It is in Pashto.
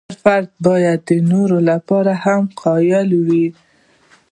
هر فرد باید د نورو لپاره هم قایل وي.